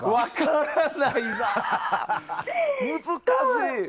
難しい。